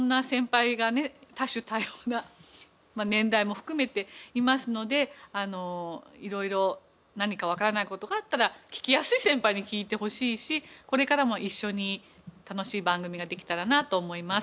多種多様な年代も含めていますので色々何かわからない事があったら聞きやすい先輩に聞いてほしいしこれからも一緒に楽しい番組ができたらなと思います。